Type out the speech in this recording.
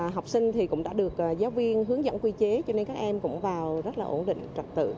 học sinh thì cũng đã được giáo viên hướng dẫn quy chế cho nên các em cũng vào rất là ổn định trật tự